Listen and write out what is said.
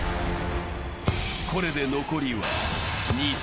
これで残りは２体。